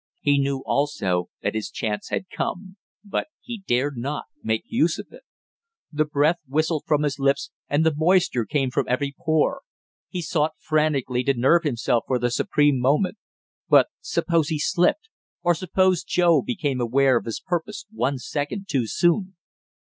He knew also that his chance had come; but he dared not make use of it. The breath whistled from his lips and the moisture came from every pore. He sought frantically to nerve himself for the supreme moment; but suppose he slipped, or suppose Joe became aware of his purpose one second too soon!